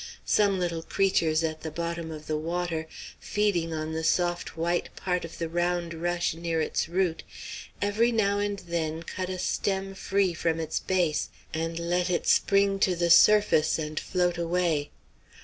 Some little creatures at the bottom of the water, feeding on the soft white part of the round rush near its root, every now and then cut a stem free from its base, and let it spring to the surface and float away.